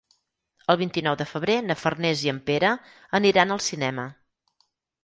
El vint-i-nou de febrer na Farners i en Pere aniran al cinema.